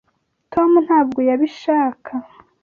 Tom ntabwo yabishaka.